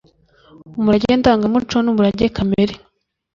umurage ndangamuco numurage kamere